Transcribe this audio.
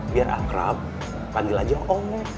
biar akrab panggil aja oh